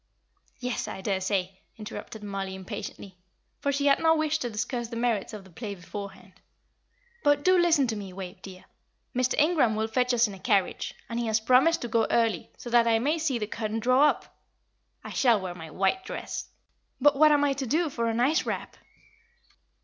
"Yes, I daresay," interrupted Mollie, impatiently; for she had no wish to discuss the merits of the play beforehand. "But do listen to me, Wave, dear; Mr. Ingram will fetch us in a carriage, and he has promised to go early, so that I may see the curtain draw up. I shall wear my white dress. But what am I to do for a nice wrap?"